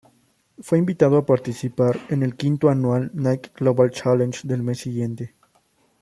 Fue invitado a participar en el quinto anual "Nike Global Challenge" del mes siguiente.